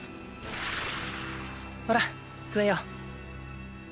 ほら喰えよ。